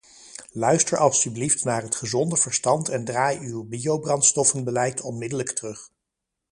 Luister alstublieft naar het gezonde verstand en draai uw biobrandstoffenbeleid onmiddellijk terug.